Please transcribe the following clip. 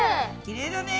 きれいだね。